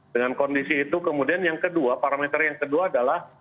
dengan kondisi itu kemudian yang kedua parameter yang kedua adalah